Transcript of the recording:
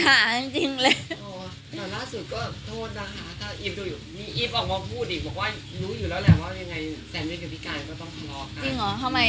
ไม่แล้วแล้วมันอิฟพูดกับมัน